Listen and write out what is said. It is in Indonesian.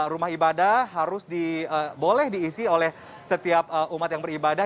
rumah ibadah boleh diisi oleh setiap umat yang beribadah